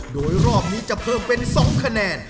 โดยรอบนี้จะเพิ่มเป็น๒คะแนน